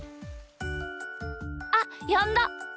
あっやんだ。